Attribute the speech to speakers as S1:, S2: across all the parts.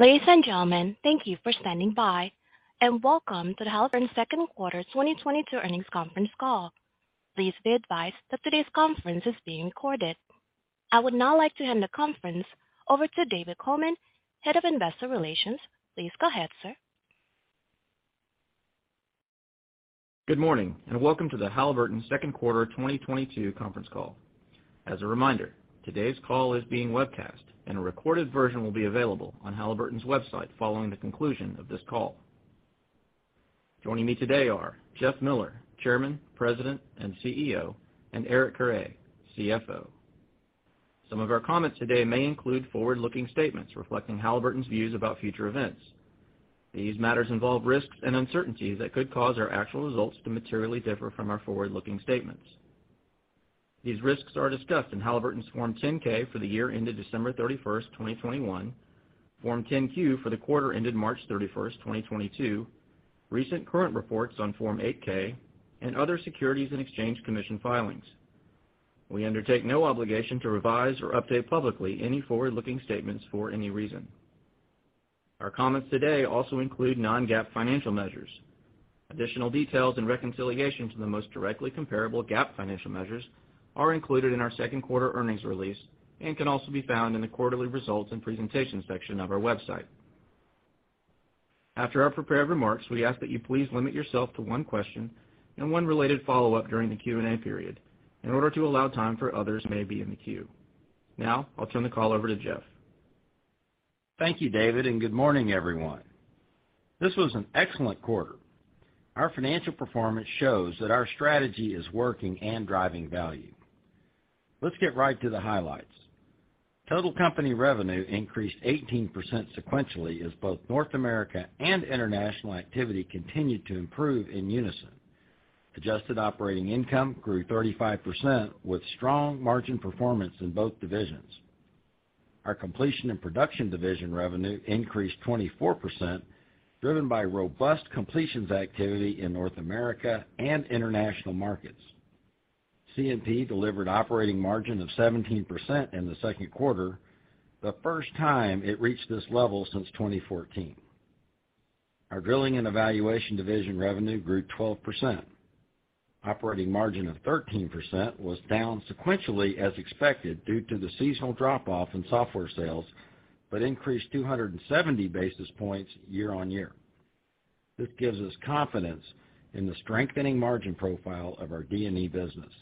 S1: Ladies and gentlemen, thank you for standing by, and welcome to the Halliburton Second Quarter 2022 Earnings Conference Call. Please be advised that today's conference is being recorded. I would now like to hand the conference over to David Coleman, Head of Investor Relations. Please go ahead, sir.
S2: Good morning, and welcome to the Halliburton Second Quarter 2022 conference call. As a reminder, today's call is being webcast, and a recorded version will be available on Halliburton's website following the conclusion of this call. Joining me today are Jeff Miller, Chairman, President, and CEO, and Eric Carre, CFO. Some of our comments today may include forward-looking statements reflecting Halliburton's views about future events. These matters involve risks and uncertainties that could cause our actual results to materially differ from our forward-looking statements. These risks are discussed in Halliburton's Form 10-K for the year ended December 31st, 2021, Form 10-Q for the quarter ended March 31st, 2022, recent current reports on Form 8-K, and other Securities and Exchange Commission filings. We undertake no obligation to revise or update publicly any forward-looking statements for any reason. Our comments today also include non-GAAP financial measures. Additional details and reconciliation to the most directly comparable GAAP financial measures are included in our second quarter earnings release and can also be found in the Quarterly Results and Presentation section of our website. After our prepared remarks, we ask that you please limit yourself to one question and one related follow-up during the Q&A period in order to allow time for others who may be in the queue. Now I'll turn the call over to Jeff.
S3: Thank you, David, and good morning, everyone. This was an excellent quarter. Our financial performance shows that our strategy is working and driving value. Let's get right to the highlights. Total company revenue increased 18% sequentially as both North America and International activity continued to improve in unison. Adjusted operating income grew 35% with strong margin performance in both divisions. Our Completion and Production division revenue increased 24%, driven by robust completions activity in North America and International markets. C&P delivered operating margin of 17% in the second quarter, the first time it reached this level since 2014. Our Drilling and Evaluation division revenue grew 12%. Operating margin of 13% was down sequentially as expected due to the seasonal drop-off in software sales, but increased 270 basis points year-on-year. This gives us confidence in the strengthening margin profile of our D&E business.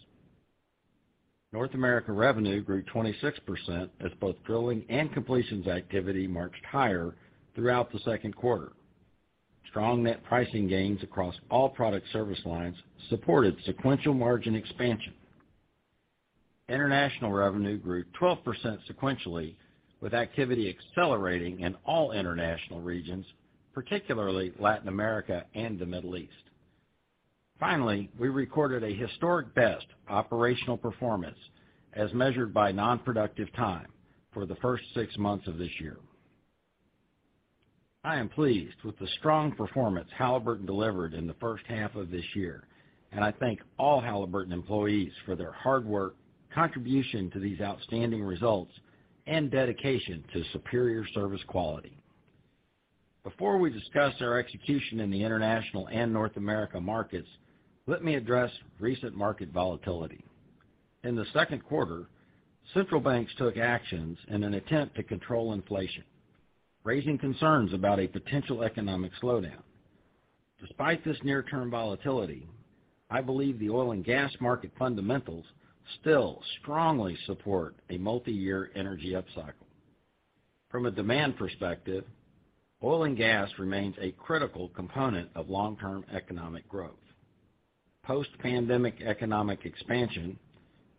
S3: North America revenue grew 26% as both drilling and completions activity marched higher throughout the second quarter. Strong net pricing gains across all product service lines supported sequential margin expansion. International revenue grew 12% sequentially, with activity accelerating in all international regions, particularly Latin America and the Middle East. Finally, we recorded a historic best operational performance as measured by non-productive time for the first six months of this year. I am pleased with the strong performance Halliburton delivered in the first half of this year, and I thank all Halliburton employees for their hard work, contribution to these outstanding results, and dedication to superior service quality. Before we discuss our execution in the international and North America markets, let me address recent market volatility. In the second quarter, central banks took actions in an attempt to control inflation, raising concerns about a potential economic slowdown. Despite this near-term volatility, I believe the oil and gas market fundamentals still strongly support a multiyear energy upcycle. From a demand perspective, oil and gas remains a critical component of long-term economic growth. Post-pandemic economic expansion,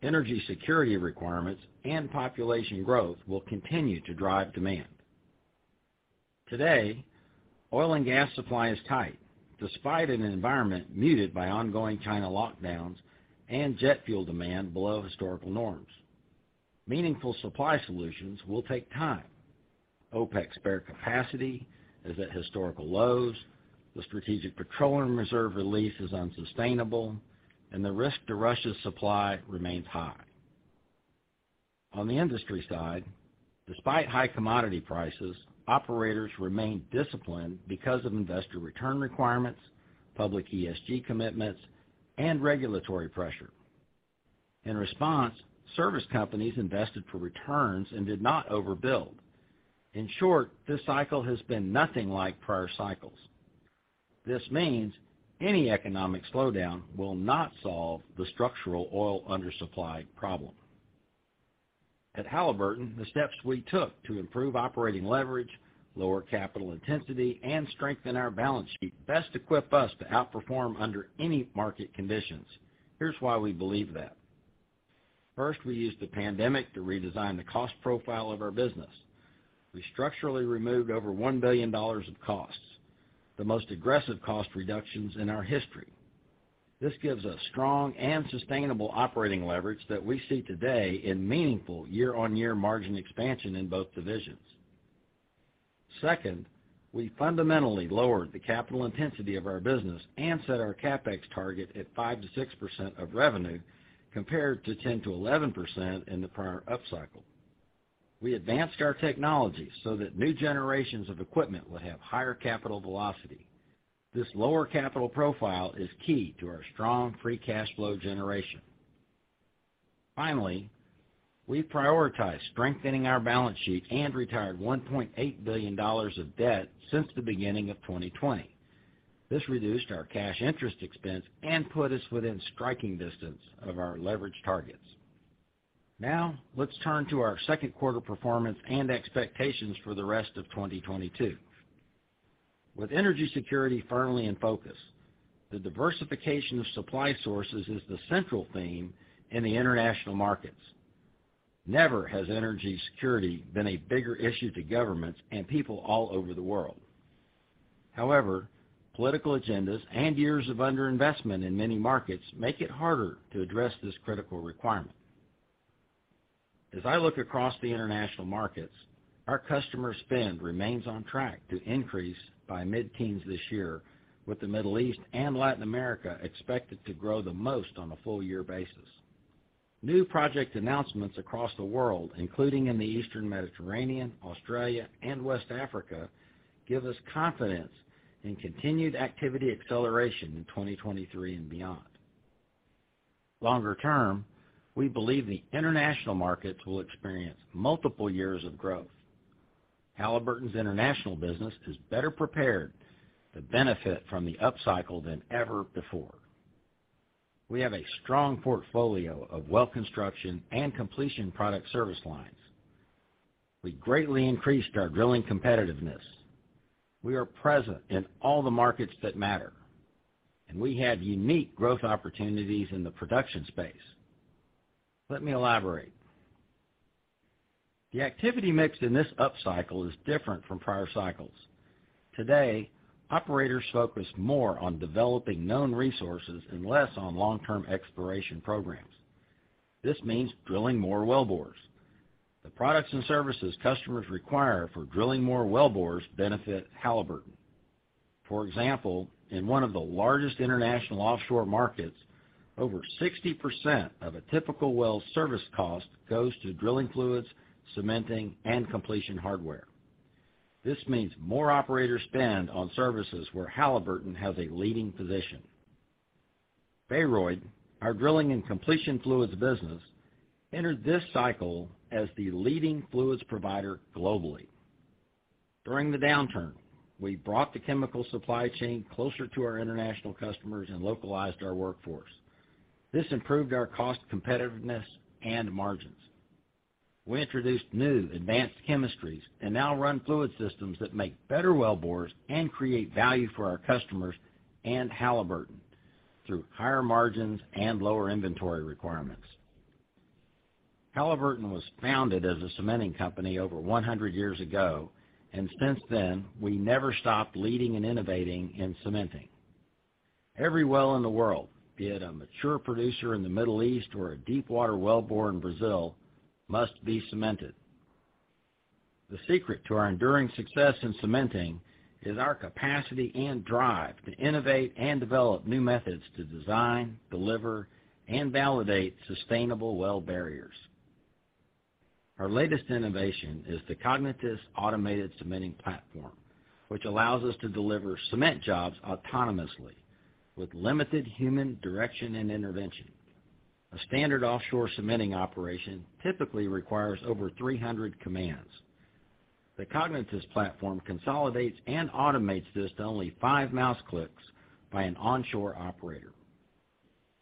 S3: energy security requirements, and population growth will continue to drive demand. Today, oil and gas supply is tight despite an environment muted by ongoing China lockdowns and jet fuel demand below historical norms. Meaningful supply solutions will take time. OPEC spare capacity is at historical lows, the Strategic Petroleum Reserve release is unsustainable, and the risk to Russia's supply remains high. On the industry side, despite high commodity prices, operators remain disciplined because of investor return requirements, public ESG commitments, and regulatory pressure. In response, service companies invested for returns and did not overbuild. In short, this cycle has been nothing like prior cycles. This means any economic slowdown will not solve the structural oil undersupply problem. At Halliburton, the steps we took to improve operating leverage, lower capital intensity, and strengthen our balance sheet best equip us to outperform under any market conditions. Here's why we believe that. First, we used the pandemic to redesign the cost profile of our business. We structurally removed over $1 billion of costs, the most aggressive cost reductions in our history. This gives us strong and sustainable operating leverage that we see today in meaningful year-on-year margin expansion in both divisions. Second, we fundamentally lowered the capital intensity of our business and set our CapEx target at 5%-6% of revenue, compared to 10%-11% in the prior upcycle. We advanced our technology so that new generations of equipment will have higher capital velocity. This lower capital profile is key to our strong free cash flow generation. Finally, we prioritize strengthening our balance sheet and retired $1.8 billion of debt since the beginning of 2020. This reduced our cash interest expense and put us within striking distance of our leverage targets. Now let's turn to our second quarter performance and expectations for the rest of 2022. With energy security firmly in focus, the diversification of supply sources is the central theme in the international markets. Never has energy security been a bigger issue to governments and people all over the world. However, political agendas and years of under-investment in many markets make it harder to address this critical requirement. As I look across the international markets, our customer spend remains on track to increase by mid-teens this year, with the Middle East and Latin America expected to grow the most on a full year basis. New project announcements across the world, including in the Eastern Mediterranean, Australia, and West Africa, give us confidence in continued activity acceleration in 2023 and beyond. Longer term, we believe the international markets will experience multiple years of growth. Halliburton's international business is better prepared to benefit from the upcycle than ever before. We have a strong portfolio of well construction and completion product service lines. We greatly increased our drilling competitiveness. We are present in all the markets that matter, and we have unique growth opportunities in the production space. Let me elaborate. The activity mix in this upcycle is different from prior cycles. Today, operators focus more on developing known resources and less on long-term exploration programs. This means drilling more wellbores. The products and services customers require for drilling more wellbores benefit Halliburton. For example, in one of the largest international offshore markets, over 60% of a typical well service cost goes to drilling fluids, cementing, and completion hardware. This means more operators spend on services where Halliburton has a leading position. Baroid, our drilling and completion fluids business, entered this cycle as the leading fluids provider globally. During the downturn, we brought the chemical supply chain closer to our international customers and localized our workforce. This improved our cost competitiveness and margins. We introduced new advanced chemistries and now run fluid systems that make better wellbores and create value for our customers and Halliburton through higher margins and lower inventory requirements. Halliburton was founded as a cementing company over 100 years ago, and since then, we never stopped leading and innovating in cementing. Every well in the world, be it a mature producer in the Middle East or a deep water wellbore in Brazil, must be cemented. The secret to our enduring success in cementing is our capacity and drive to innovate and develop new methods to design, deliver, and validate sustainable well barriers. Our latest innovation is the Cognitus automated cementing platform, which allows us to deliver cement jobs autonomously with limited human direction and intervention. A standard offshore cementing operation typically requires over 300 commands. The Cognitus platform consolidates and automates this to only five mouse clicks by an onshore operator.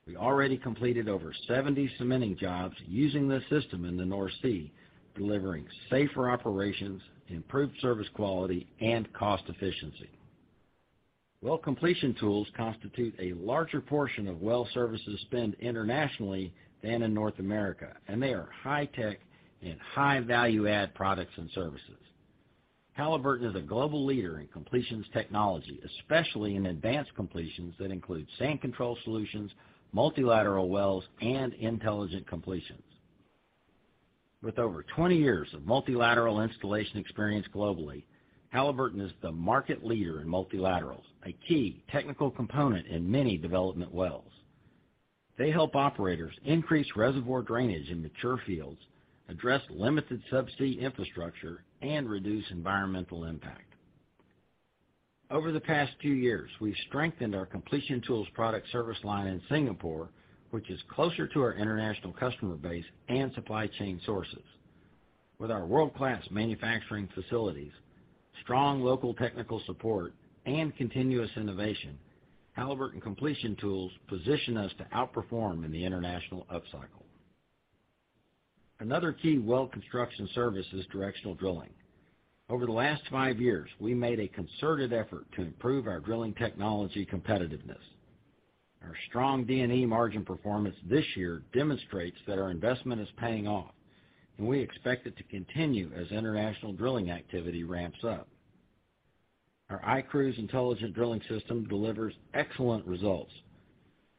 S3: We already completed over 70 cementing jobs using this system in the North Sea, delivering safer operations, improved service quality and cost efficiency. Well completion tools constitute a larger portion of well services spend internationally than in North America, and they are high tech and high value add products and services. Halliburton is a global leader in completions technology, especially in advanced completions that include sand control solutions, multilateral wells and intelligent completions. With over 20 years of multilateral installation experience globally, Halliburton is the market leader in multilaterals, a key technical component in many development wells. They help operators increase reservoir drainage in mature fields, address limited subsea infrastructure, and reduce environmental impact. Over the past few years, we've strengthened our completion tools product service line in Singapore, which is closer to our international customer base and supply chain sources. With our world-class manufacturing facilities, strong local technical support, and continuous innovation, Halliburton completion tools position us to outperform in the international upcycle. Another key well construction service is directional drilling. Over the last five years, we made a concerted effort to improve our drilling technology competitiveness. Our strong D&E margin performance this year demonstrates that our investment is paying off, and we expect it to continue as international drilling activity ramps up. Our iCruise intelligent drilling system delivers excellent results.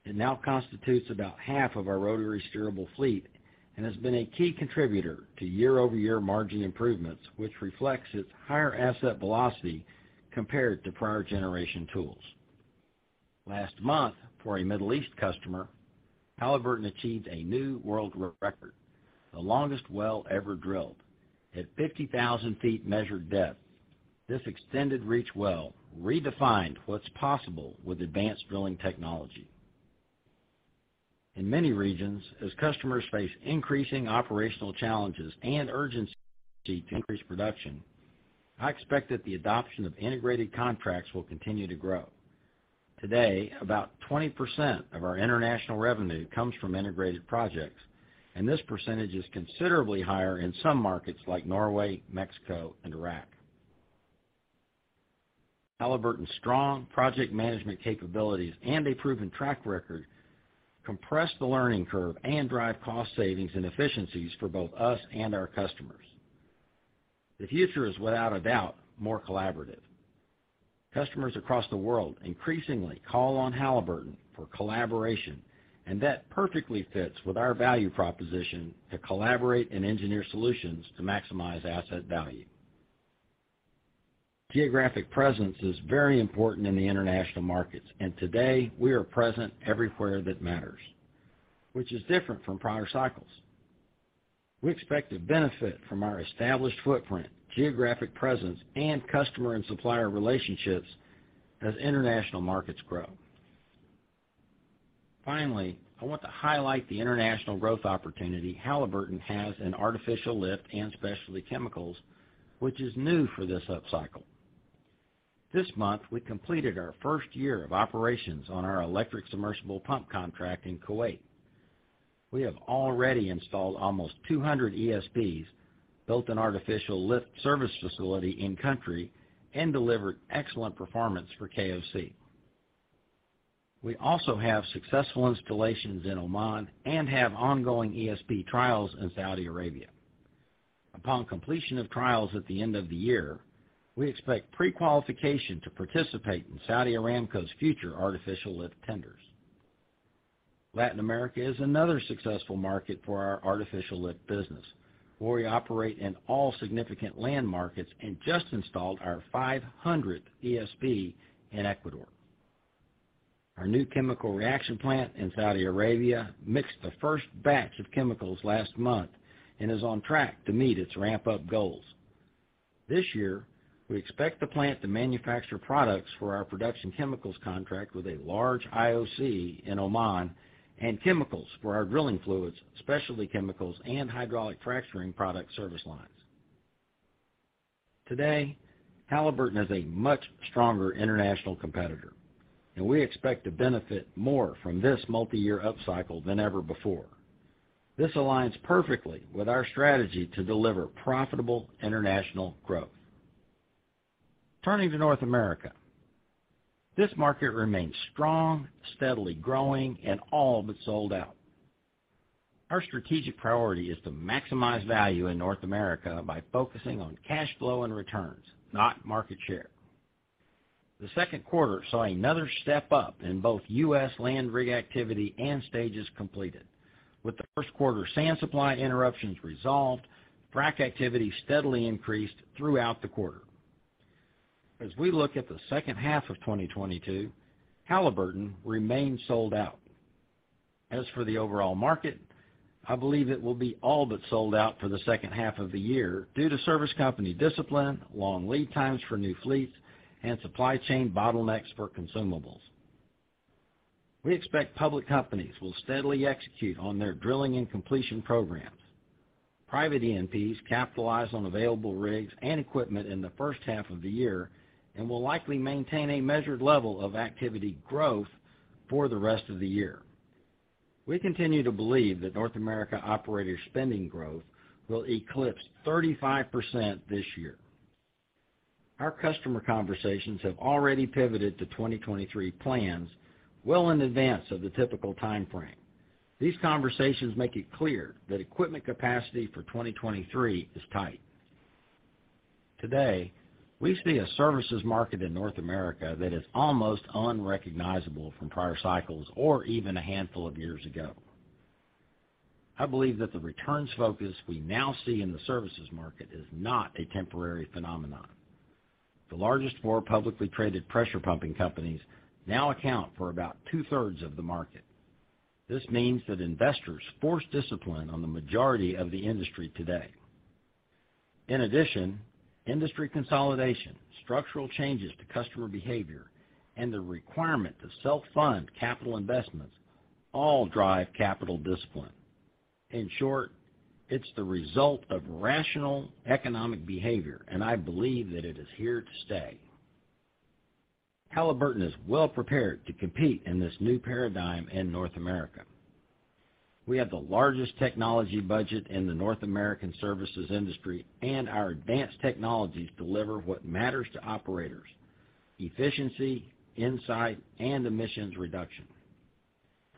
S3: It now constitutes about half of our rotary steerable fleet and has been a key contributor to year-over-year margin improvements, which reflects its higher asset velocity compared to prior generation tools. Last month, for a Middle East customer, Halliburton achieved a new world record, the longest well ever drilled. At 50,000 feet measured depth, this extended reach well redefined what's possible with advanced drilling technology. In many regions, as customers face increasing operational challenges and urgency to increase production, I expect that the adoption of integrated contracts will continue to grow. Today, about 20% of our international revenue comes from integrated projects, and this percentage is considerably higher in some markets like Norway, Mexico and Iraq. Halliburton's strong project management capabilities and a proven track record compress the learning curve and drive cost savings and efficiencies for both us and our customers. The future is without a doubt more collaborative. Customers across the world increasingly call on Halliburton for collaboration, and that perfectly fits with our value proposition to collaborate and engineer solutions to maximize asset value. Geographic presence is very important in the international markets, and today we are present everywhere that matters, which is different from prior cycles. We expect to benefit from our established footprint, geographic presence, and customer and supplier relationships as international markets grow. Finally, I want to highlight the international growth opportunity Halliburton has in artificial lift and specialty chemicals, which is new for this upcycle. This month, we completed our first year of operations on our electric submersible pump contract in Kuwait. We have already installed almost 200 ESPs, built an artificial lift service facility in country, and delivered excellent performance for KOC. We also have successful installations in Oman and have ongoing ESP trials in Saudi Arabia. Upon completion of trials at the end of the year, we expect pre-qualification to participate in Saudi Aramco's future artificial lift tenders. Latin America is another successful market for our artificial lift business, where we operate in all significant land markets and just installed our 500th ESP in Ecuador. Our new chemical reaction plant in Saudi Arabia mixed the first batch of chemicals last month and is on track to meet its ramp-up goals. This year, we expect the plant to manufacture products for our production chemicals contract with a large IOC in Oman and chemicals for our drilling fluids, specialty chemicals and hydraulic fracturing product service lines. Today, Halliburton is a much stronger international competitor, and we expect to benefit more from this multi-year upcycle than ever before. This aligns perfectly with our strategy to deliver profitable international growth. Turning to North America, this market remains strong, steadily growing and all but sold out. Our strategic priority is to maximize value in North America by focusing on cash flow and returns, not market share. The second quarter saw another step up in both U.S. land rig activity and stages completed. With the first quarter sand supply interruptions resolved, frack activity steadily increased throughout the quarter. As we look at the second half of 2022, Halliburton remains sold out. As for the overall market, I believe it will be all but sold out for the second half of the year due to service company discipline, long lead times for new fleets and supply chain bottlenecks for consumables. We expect public companies will steadily execute on their drilling and completion programs. Private E&Ps capitalize on available rigs and equipment in the first half of the year and will likely maintain a measured level of activity growth for the rest of the year. We continue to believe that North America operator spending growth will eclipse 35% this year. Our customer conversations have already pivoted to 2023 plans well in advance of the typical time frame. These conversations make it clear that equipment capacity for 2023 is tight. Today, we see a services market in North America that is almost unrecognizable from prior cycles or even a handful of years ago. I believe that the returns focus we now see in the services market is not a temporary phenomenon. The largest four publicly traded pressure pumping companies now account for about 2/3 of the market. This means that investors force discipline on the majority of the industry today. In addition, industry consolidation, structural changes to customer behavior, and the requirement to self-fund capital investments all drive capital discipline. In short, it's the result of rational economic behavior, and I believe that it is here to stay. Halliburton is well prepared to compete in this new paradigm in North America. We have the largest technology budget in the North American services industry, and our advanced technologies deliver what matters to operators, efficiency, insight, and emissions reduction.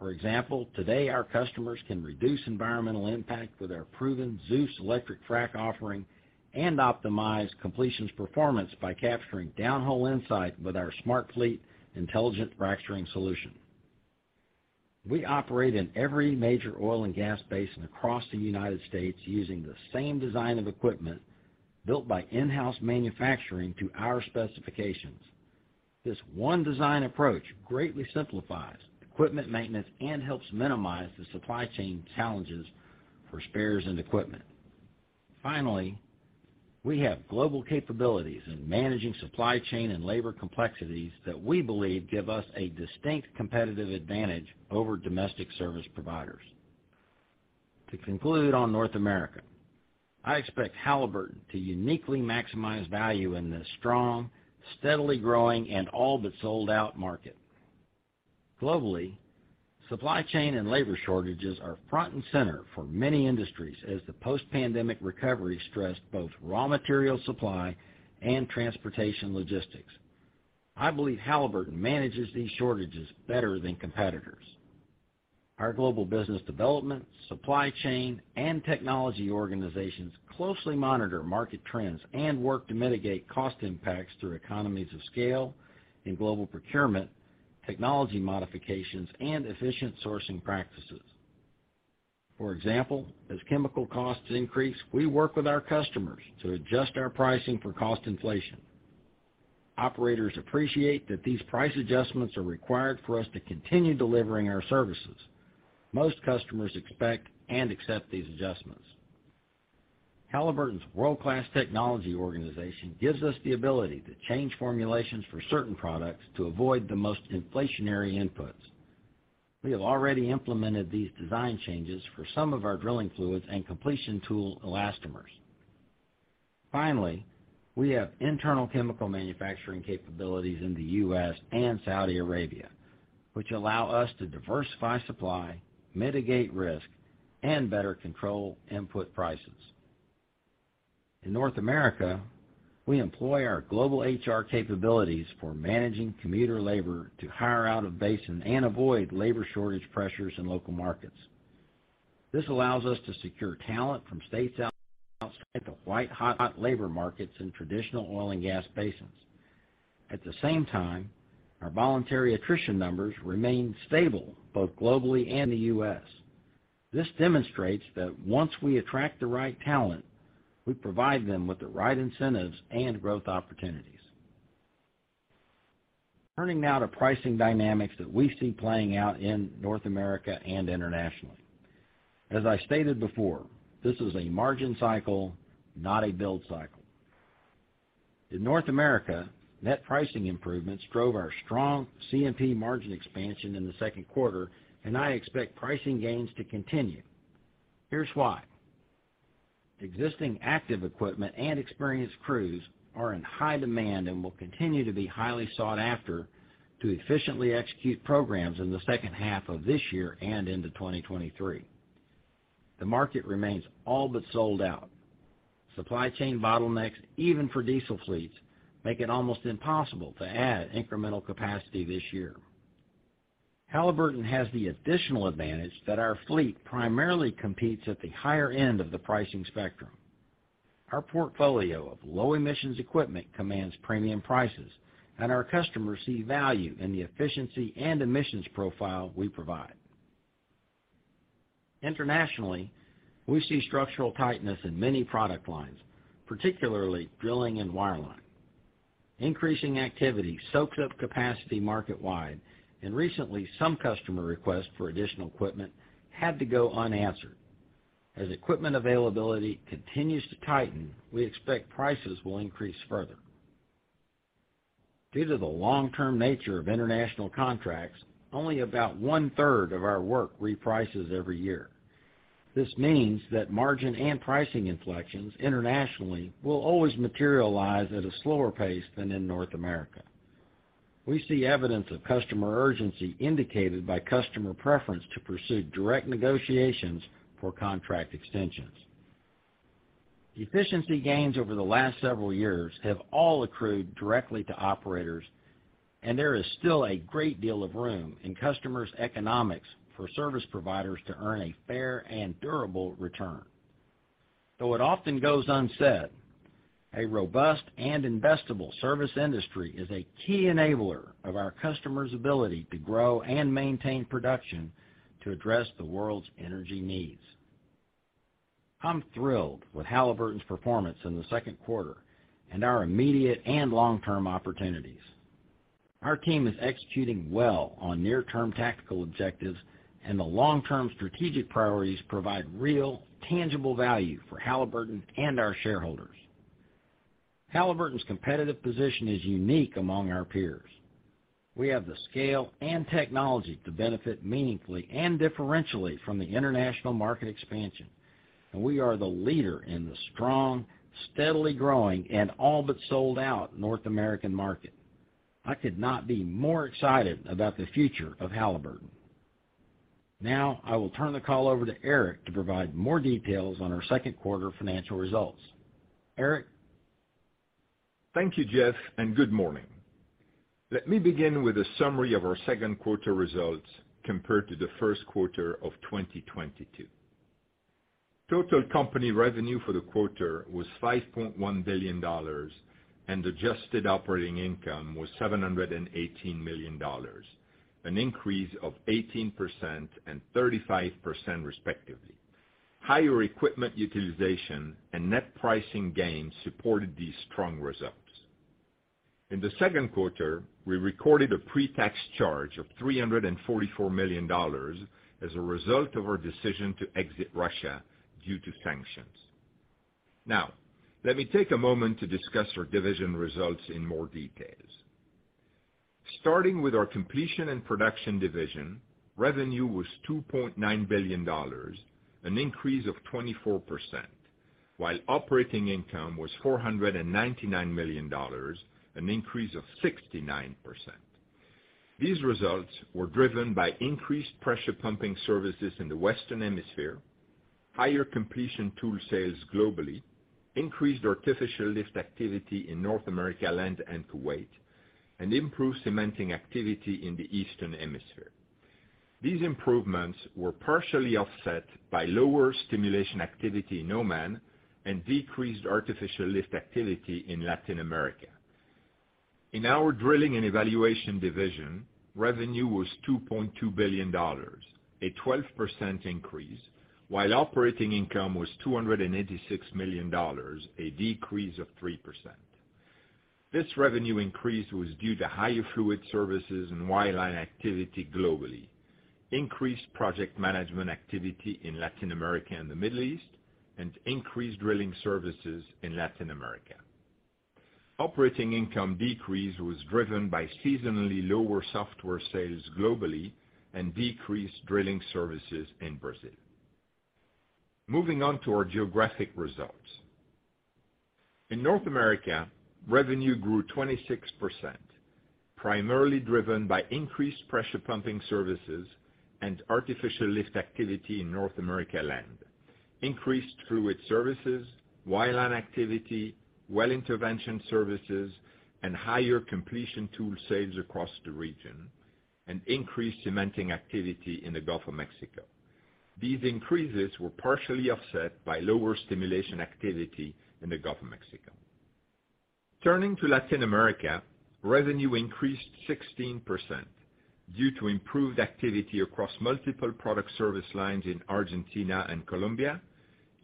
S3: For example, today our customers can reduce environmental impact with our proven ZEUS electric frac offering and optimize completions performance by capturing down-hole insight with our SmartFleet intelligent fracturing solution. We operate in every major oil and gas basin across the United States using the same design of equipment built by in-house manufacturing to our specifications. This one design approach greatly simplifies equipment maintenance and helps minimize the supply chain challenges for spares and equipment. Finally, we have global capabilities in managing supply chain and labor complexities that we believe give us a distinct competitive advantage over domestic service providers. To conclude on North America, I expect Halliburton to uniquely maximize value in this strong, steadily growing, and all but sold-out market. Globally, supply chain and labor shortages are front and center for many industries as the post-pandemic recovery stressed both raw material supply and transportation logistics. I believe Halliburton manages these shortages better than competitors. Our global business development, supply chain, and technology organizations closely monitor market trends and work to mitigate cost impacts through economies of scale in global procurement, technology modifications, and efficient sourcing practices. For example, as chemical costs increase, we work with our customers to adjust our pricing for cost inflation. Operators appreciate that these price adjustments are required for us to continue delivering our services. Most customers expect and accept these adjustments. Halliburton's world-class technology organization gives us the ability to change formulations for certain products to avoid the most inflationary inputs. We have already implemented these design changes for some of our drilling fluids and completion tool elastomers. Finally, we have internal chemical manufacturing capabilities in the U.S. and Saudi Arabia, which allow us to diversify supply, mitigate risk, and better control input prices. In North America, we employ our global HR capabilities for managing commuter labor to hire out of basin and avoid labor shortage pressures in local markets. This allows us to secure talent from states outside the white-hot labor markets in traditional oil and gas basins. At the same time, our voluntary attrition numbers remain stable both globally and in the U.S. This demonstrates that once we attract the right talent, we provide them with the right incentives and growth opportunities. Turning now to pricing dynamics that we see playing out in North America and International. As I stated before, this is a margin cycle, not a build cycle. In North America, net pricing improvements drove our strong C&P margin expansion in the second quarter, and I expect pricing gains to continue. Here's why. Existing active equipment and experienced crews are in high demand and will continue to be highly sought after to efficiently execute programs in the second half of this year and into 2023. The market remains all but sold out. Supply chain bottlenecks, even for diesel fleets, make it almost impossible to add incremental capacity this year. Halliburton has the additional advantage that our fleet primarily competes at the higher end of the pricing spectrum. Our portfolio of low-emissions equipment commands premium prices, and our customers see value in the efficiency and emissions profile we provide. Internationally, we see structural tightness in many product lines, particularly drilling and wireline. Increasing activity soaks up capacity market-wide, and recently, some customer requests for additional equipment had to go unanswered. As equipment availability continues to tighten, we expect prices will increase further. Due to the long-term nature of international contracts, only about 1/3 of our work reprices every year. This means that margin and pricing inflections internationally will always materialize at a slower pace than in North America. We see evidence of customer urgency indicated by customer preference to pursue direct negotiations for contract extensions. Efficiency gains over the last several years have all accrued directly to operators, and there is still a great deal of room in customers' economics for service providers to earn a fair and durable return. Though it often goes unsaid, a robust and investable service industry is a key enabler of our customers' ability to grow and maintain production to address the world's energy needs. I'm thrilled with Halliburton's performance in the second quarter and our immediate and long-term opportunities. Our team is executing well on near-term tactical objectives, and the long-term strategic priorities provide real, tangible value for Halliburton and our shareholders. Halliburton's competitive position is unique among our peers. We have the scale and technology to benefit meaningfully and differentially from the international market expansion, and we are the leader in the strong, steadily growing, and all but sold out North American market. I could not be more excited about the future of Halliburton. Now, I will turn the call over to Eric to provide more details on our second quarter financial results. Eric?
S4: Thank you, Jeff, and good morning. Let me begin with a summary of our second quarter results compared to the first quarter of 2022. Total company revenue for the quarter was $5.1 billion, and adjusted operating income was $718 million, an increase of 18% and 35% respectively. Higher equipment utilization and net pricing gains supported these strong results. In the second quarter, we recorded a pre-tax charge of $344 million as a result of our decision to exit Russia due to sanctions. Now, let me take a moment to discuss our division results in more details. Starting with our Completion and Production division, revenue was $2.9 billion, an increase of 24%, while operating income was $499 million, an increase of 69%. These results were driven by increased pressure pumping services in the Western Hemisphere, higher completion tool sales globally, increased artificial lift activity in North America Land and Kuwait, and improved cementing activity in the Eastern Hemisphere. These improvements were partially offset by lower stimulation activity in Oman and decreased artificial lift activity in Latin America. In our Drilling and Evaluation division, revenue was $2.2 billion, a 12% increase, while operating income was $286 million, a 3% decrease. This revenue increase was due to higher fluid services and wireline activity globally, increased project management activity in Latin America and the Middle East, and increased drilling services in Latin America. Operating income decrease was driven by seasonally lower software sales globally and decreased drilling services in Brazil. Moving on to our geographic results. In North America, revenue grew 26%, primarily driven by increased pressure pumping services and artificial lift activity in North America land, increased fluid services, wireline activity, well intervention services, and higher completion tool sales across the region, and increased cementing activity in the Gulf of Mexico. These increases were partially offset by lower stimulation activity in the Gulf of Mexico. Turning to Latin America, revenue increased 16% due to improved activity across multiple product service lines in Argentina and Colombia,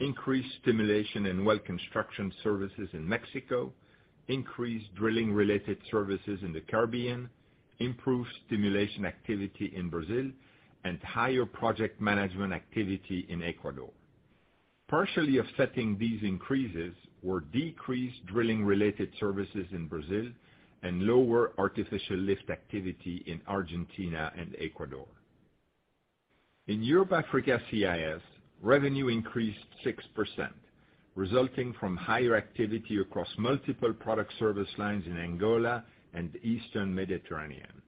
S4: increased stimulation and well construction services in Mexico, increased drilling-related services in the Caribbean, improved stimulation activity in Brazil, and higher project management activity in Ecuador. Partially offsetting these increases were decreased drilling-related services in Brazil and lower artificial lift activity in Argentina and Ecuador. In Europe, Africa, CIS, revenue increased 6%, resulting from higher activity across multiple product service lines in Angola and Eastern Mediterranean,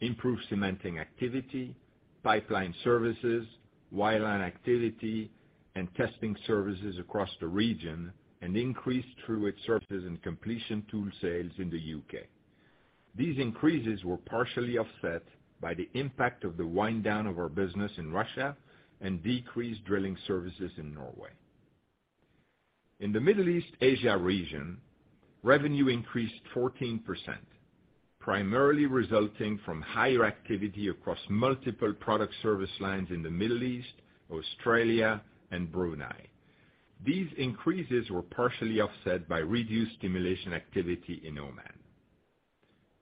S4: improved cementing activity, pipeline services, wireline activity, and testing services across the region, and increased throughput services and completion tool sales in the U.K.. These increases were partially offset by the impact of the wind down of our business in Russia and decreased drilling services in Norway. In the Middle East-Asia region, revenue increased 14%, primarily resulting from higher activity across multiple product service lines in the Middle East, Australia, and Brunei. These increases were partially offset by reduced stimulation activity in Oman.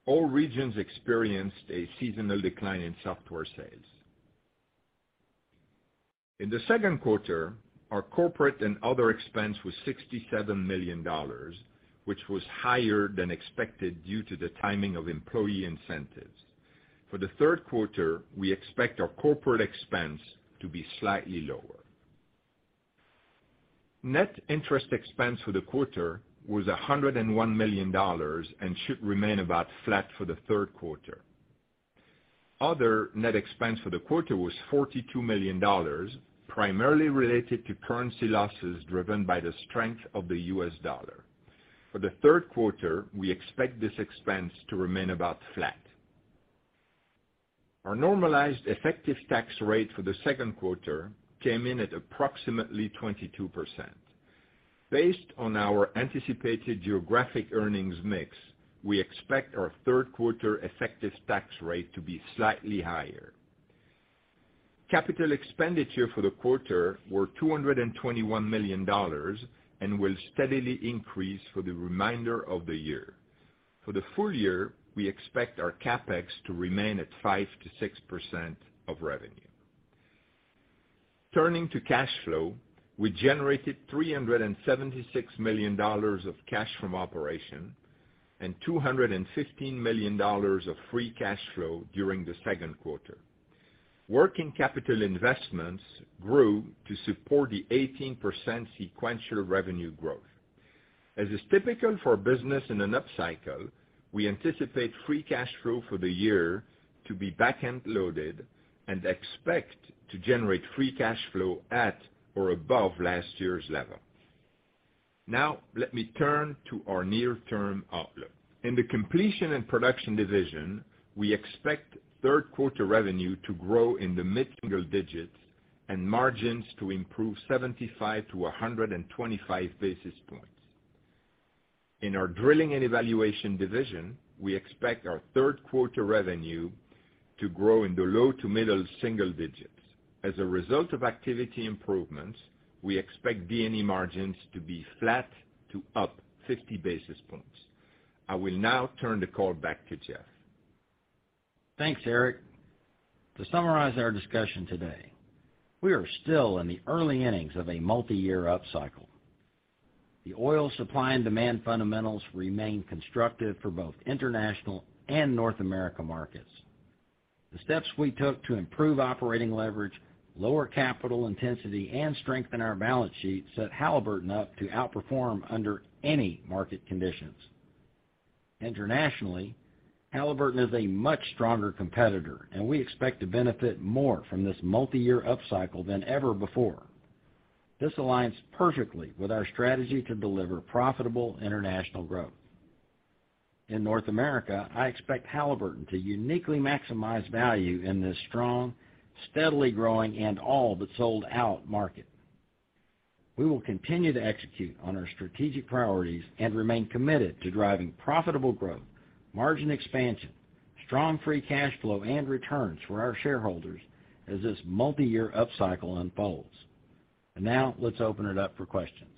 S4: All regions experienced a seasonal decline in software sales. In the second quarter, our corporate and other expense was $67 million, which was higher than expected due to the timing of employee incentives. For the third quarter, we expect our corporate expense to be slightly lower. Net interest expense for the quarter was $101 million and should remain about flat for the third quarter. Other net expense for the quarter was $42 million, primarily related to currency losses driven by the strength of the U.S. dollar. For the third quarter, we expect this expense to remain about flat. Our normalized effective tax rate for the second quarter came in at approximately 22%. Based on our anticipated geographic earnings mix, we expect our third quarter effective tax rate to be slightly higher. Capital expenditure for the quarter were $221 million and will steadily increase for the remainder of the year. For the full year, we expect our CapEx to remain at 5%-6% of revenue. Turning to cash flow, we generated $376 million of cash from operations and $215 million of free cash flow during the second quarter. Working capital investments grew to support the 18% sequential revenue growth. As is typical for business in an upcycle, we anticipate free cash flow for the year to be back-end loaded and expect to generate free cash flow at or above last year's level. Now let me turn to our near-term outlook. In the Completion and Production division, we expect third quarter revenue to grow in the mid-single digits and margins to improve 75-125 basis points. In our Drilling and Evaluation division, we expect our third quarter revenue to grow in the low to mid-single digits. As a result of activity improvements, we expect D&E margins to be flat to up 50 basis points. I will now turn the call back to Jeff.
S3: Thanks, Eric. To summarize our discussion today, we are still in the early innings of a multiyear upcycle. The oil supply and demand fundamentals remain constructive for both international and North America markets. The steps we took to improve operating leverage, lower capital intensity, and strengthen our balance sheet set Halliburton up to outperform under any market conditions. Internationally, Halliburton is a much stronger competitor, and we expect to benefit more from this multiyear upcycle than ever before. This aligns perfectly with our strategy to deliver profitable international growth. In North America, I expect Halliburton to uniquely maximize value in this strong, steadily growing, and all but sold out market. We will continue to execute on our strategic priorities and remain committed to driving profitable growth, margin expansion, strong free cash flow, and returns for our shareholders as this multiyear upcycle unfolds. Now let's open it up for questions.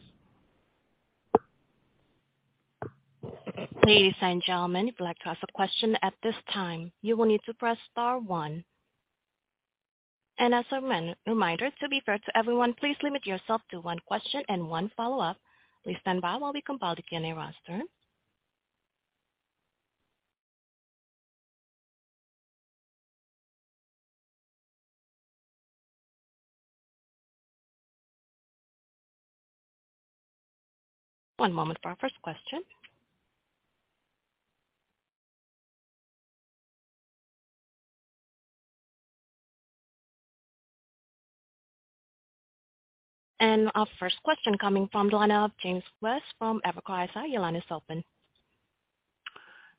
S1: Ladies and gentlemen, if you'd like to ask a question at this time, you will need to press star one. As a reminder, to be fair to everyone, please limit yourself to one question and one follow-up. Please stand by while we compile the Q&A roster. One moment for our first question. Our first question coming from the line of James West from Evercore ISI. Your line is open.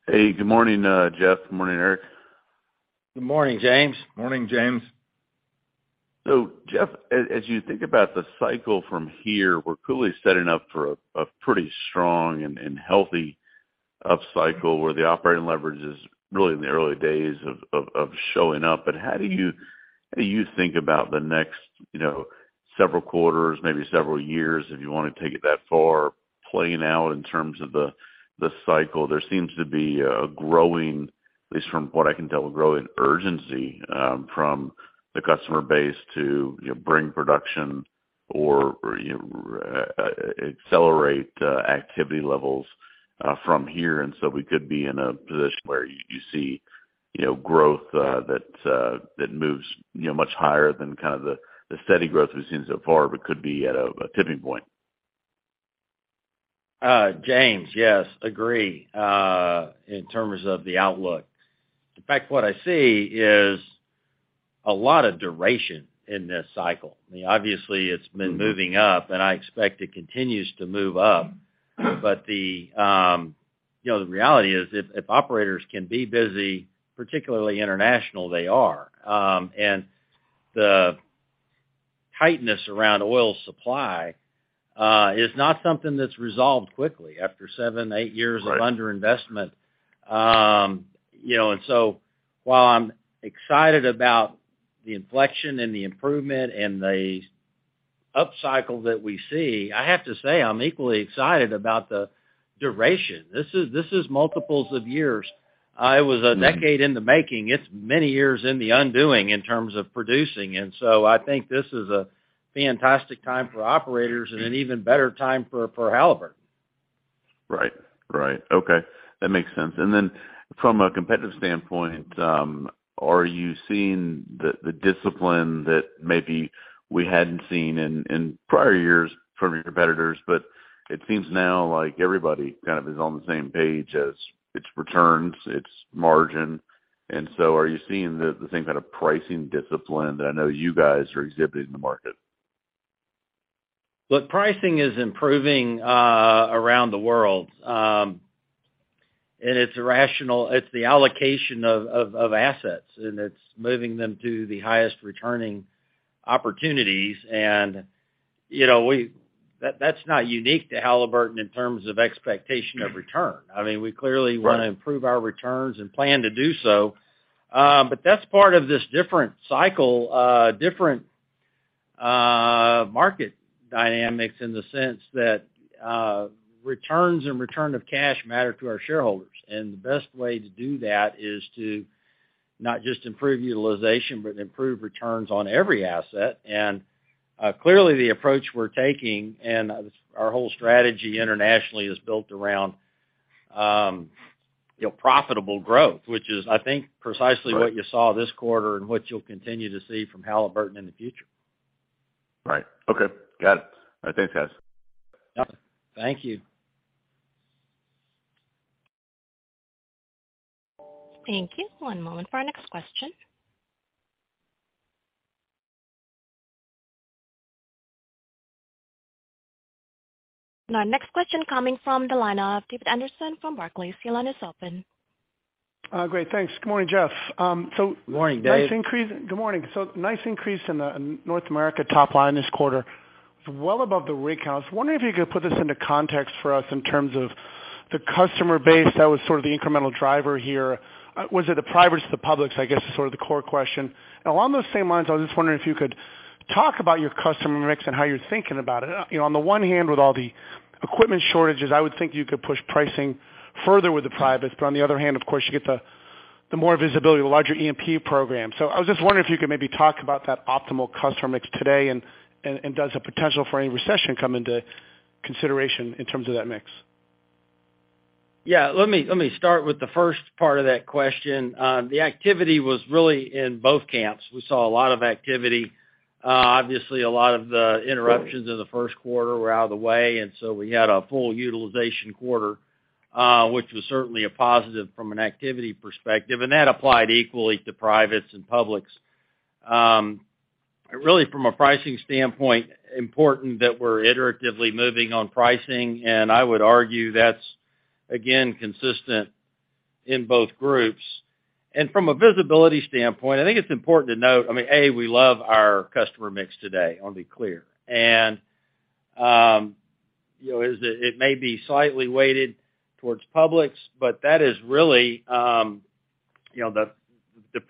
S5: Hey, good morning, Jeff. Good morning, Eric.
S3: Good morning, James.
S4: Morning, James.
S5: Jeff, as you think about the cycle from here, we're clearly setting up for a pretty strong and healthy upcycle where the operating leverage is really in the early days of showing up. How do you think about the next, you know, several quarters, maybe several years if you wanna take it that far, playing out in terms of the cycle? There seems to be a growing, at least from what I can tell, a growing urgency from the customer base to, you know, bring production or accelerate activity levels from here. We could be in a position where you see, you know, growth that moves, you know, much higher than kind of the steady growth we've seen so far, but could be at a tipping point.
S3: James, yes, agree in terms of the outlook. In fact, what I see is a lot of duration in this cycle. I mean, obviously it's been moving up, and I expect it continues to move up. The reality is if operators can be busy, particularly international, they are. The tightness around oil supply is not something that's resolved quickly after seven-eight years of underinvestment. You know, while I'm excited about the inflection and the improvement and the upcycle that we see, I have to say, I'm equally excited about the duration. This is multiples of years. It was a decade in the making. It's many years in the undoing in terms of producing. I think this is a fantastic time for operators and an even better time for Halliburton.
S5: Right. Right. Okay, that makes sense. From a competitive standpoint, are you seeing the discipline that maybe we hadn't seen in prior years from your competitors, but it seems now like everybody kind of is on the same page as it's returns, it's margin. Are you seeing the same kind of pricing discipline that I know you guys are exhibiting in the market?
S3: Look, pricing is improving around the world, and it's rational. It's the allocation of assets, and it's moving them to the highest returning opportunities. You know, that's not unique to Halliburton in terms of expectation of return. I mean, we clearly wanna improve our returns and plan to do so. That's part of this different cycle, different market dynamics in the sense that returns and return of cash matter to our shareholders. The best way to do that is to not just improve utilization, but improve returns on every asset. Clearly the approach we're taking and our whole strategy internationally is built around you know, profitable growth, which is, I think, precisely what you saw this quarter and what you'll continue to see from Halliburton in the future.
S5: Right. Okay. Got it. All right, thanks, guys.
S3: Yep. Thank you.
S1: Thank you. One moment for our next question. Our next question coming from the line of David Anderson from Barclays. Your line is open.
S6: Great. Thanks. Good morning, Jeff.
S3: Good morning, Dave.
S6: Good morning. Nice increase in North America top line this quarter. It's well above the rig counts. Wondering if you could put this into context for us in terms of the customer base that was sort of the incremental driver here. Was it the privates, the publics, I guess, is sort of the core question. Along those same lines, I was just wondering if you could talk about your customer mix and how you're thinking about it. You know, on the one hand, with all the equipment shortages, I would think you could push pricing further with the privates, but on the other hand, of course, you get the more visibility, the larger E&P program. I was just wondering if you could maybe talk about that optimal customer mix today and does the potential for any recession come into consideration in terms of that mix?
S3: Yeah, let me start with the first part of that question. The activity was really in both camps. We saw a lot of activity. Obviously, a lot of the interruptions in the first quarter were out of the way, and so we had a full utilization quarter, which was certainly a positive from an activity perspective, and that applied equally to privates and publics. Really, from a pricing standpoint, important that we're iteratively moving on pricing, and I would argue that's, again, consistent in both groups. From a visibility standpoint, I think it's important to note, I mean, A, we love our customer mix today. I'll be clear. You know, is that it may be slightly weighted towards publics, but that is really, you know, the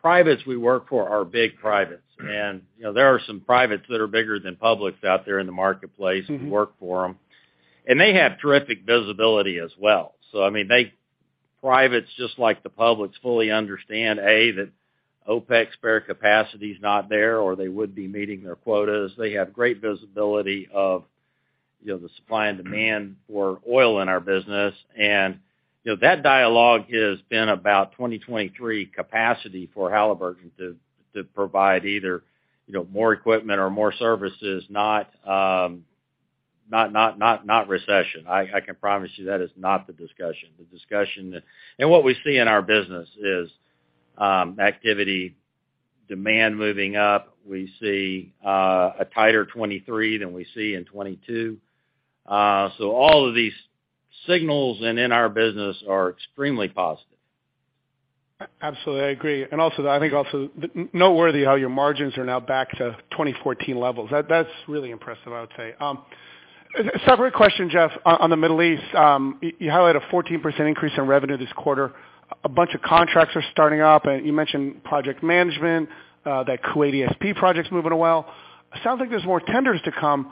S3: privates we work for are big privates. You know, there are some privates that are bigger than publics out there in the marketplace.
S6: Mm-hmm.
S3: We work for them. They have terrific visibility as well. I mean, they, privates, just like the publics, fully understand, A, that OpEx spare capacity is not there, or they would be meeting their quotas. They have great visibility of, you know, the supply and demand for oil in our business. You know, that dialogue has been about 2023 capacity for Halliburton to provide either, you know, more equipment or more services, not recession. I can promise you that is not the discussion. The discussion that what we see in our business is activity demand moving up. We see a tighter 2023 than we see in 2022. All of these signals in our business are extremely positive.
S6: Absolutely. I agree. I think also noteworthy how your margins are now back to 2014 levels. That's really impressive, I would say. Separate question, Jeff, on the Middle East. You highlight a 14% increase in revenue this quarter. A bunch of contracts are starting up, and you mentioned project management, that Kuwait ESP project's moving well. Sounds like there's more tenders to come.